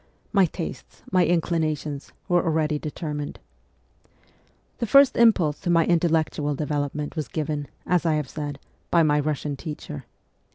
My tastes, my inclinations, were already deter mined. The first impulse to my intellectual development was given, as I have said, by my Bussian teacher.